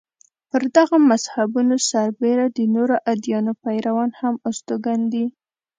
پر دغو مذهبونو سربېره د نورو ادیانو پیروان هم استوګن دي.